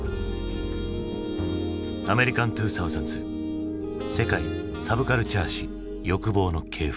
アメリカン２０００ｓ「世界サブカルチャー史欲望の系譜」。